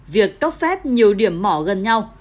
việc cấp phép nhiều điểm mỏ gần nhau